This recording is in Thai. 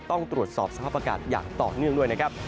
ต้องตรวจสอบสภาพอากาศอย่างต่อเนื่องด้วยนะครับ